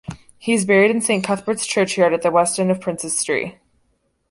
He is buried in Saint Cuthbert's Churchyard at the west end of Princes Stree.